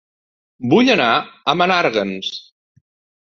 Vull anar a Menàrguens